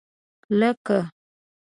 لکه